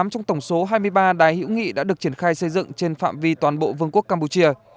tám trong tổng số hai mươi ba đài hữu nghị đã được triển khai xây dựng trên phạm vi toàn bộ vương quốc campuchia